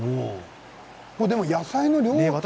でも野菜の量は？